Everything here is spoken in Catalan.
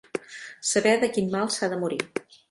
Saber de quin mal s'ha de morir.